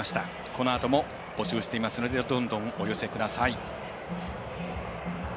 このあとも募集していますのでどんどんお寄せください。